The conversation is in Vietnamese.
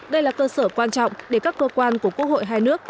đây là cơ sở quan trọng để các cơ quan của quốc hội hai nước